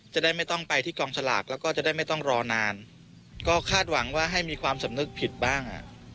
จะได้ไม่ต้องไปที่กองสลากแล้วก็จะได้ไม่ต้องรอนานก็คาดหวังว่าให้มีความสำนึกผิดบ้าง